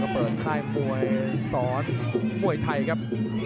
เปิดค่ายมวยสอนมวยไทยครับ